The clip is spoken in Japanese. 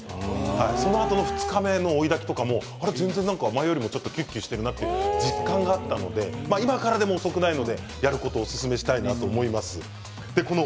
その後２日目の追いだきとかも前でもよりもきゅっきゅっとしているなって実感があったので今からでも遅くないのでやることをおすすめしたいと思います。